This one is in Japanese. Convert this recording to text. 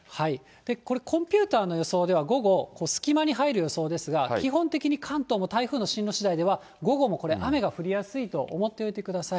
これ、コンピューターの予想では、午後、隙間に入る予想ですが、基本的に関東も台風の進路しだいでは関東も雨と思っておいてください。